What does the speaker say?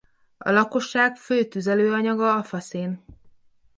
A lakosság fő tüzelőanyaga a faszén.